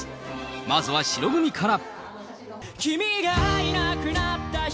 まずは白組から。